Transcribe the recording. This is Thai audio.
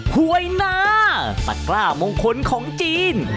หวยนาตะกล้ามงคลของจีน